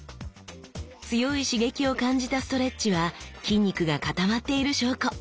強い刺激を感じたストレッチは筋肉がかたまっている証拠！